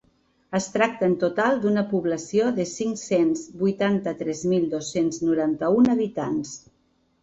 Es tracta en total d’una població de cinc-cents vuitanta-tres mil dos-cents noranta-un habitants.